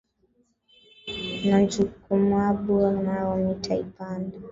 Na njukumabwe nayo mita ipanda